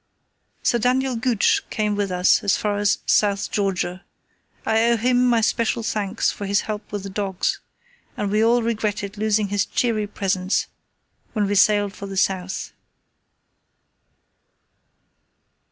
Sir Daniel Gooch came with us as far as South Georgia. I owe him my special thanks for his help with the dogs, and we all regretted losing his cheery presence, when we sailed for the South.